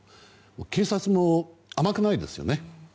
警察も甘くないですよね。